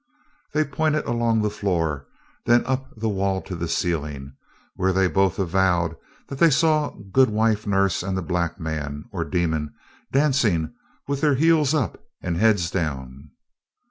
They pointed along the floor, then up the wall to the ceiling, where they both avowed that they saw Goodwife Nurse and the black man, or demon, dancing with their heels up and heads down.